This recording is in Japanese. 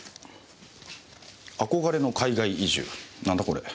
『憧れの海外移住』なんだこれ？